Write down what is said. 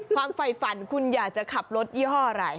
ฝ่ายฝันคุณอยากจะขับรถยี่ห้ออะไร